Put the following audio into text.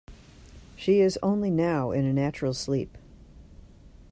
She is only now in a natural sleep.